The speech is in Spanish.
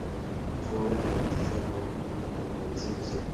Su obra se caracteriza por un profundo compromiso social.